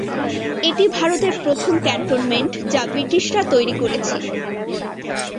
এটি ভারতের প্রথম ক্যান্টনমেন্ট যা ব্রিটিশরা তৈরী করেছিল।